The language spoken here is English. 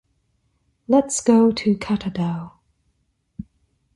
Let's go to Catadau.